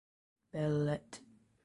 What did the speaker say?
Bell et.